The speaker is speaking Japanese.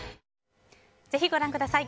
ぜひ、ご覧ください。